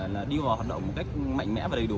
là điều hòa hoạt động một cách mạnh mẽ và đầy đủ